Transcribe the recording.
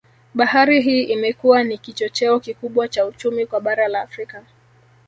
Bahari hii imekuwa ni kichocheo kikubwa cha uchumi kwa bara la Afrika